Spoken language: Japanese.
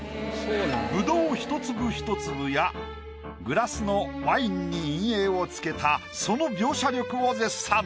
ぶどうひと粒ひと粒やグラスのワインに陰影を付けたその描写力を絶賛。